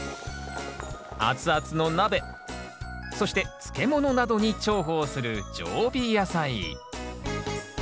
熱々の鍋そして漬物などに重宝する常備野菜。